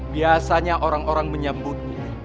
biasanya orang orang menyambut